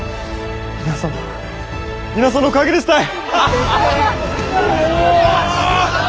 皆さんの皆さんのおかげですたい！